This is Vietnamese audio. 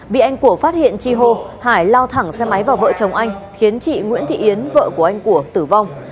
bị anh của phát hiện chi hô hải lao thẳng xe máy vào vợ chồng anh khiến chị nguyễn thị yến vợ của anh của tử vong